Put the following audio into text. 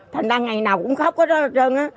thành ra ngày nào cũng khóc hết hết trơn